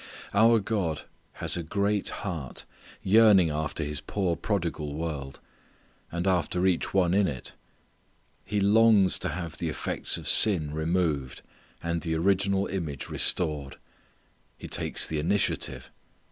Our God has a great heart yearning after His poor prodigal world, and after each one in it. He longs to have the effects of sin removed, and the original image restored. He takes the initiative.